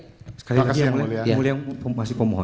terima kasih yang mulia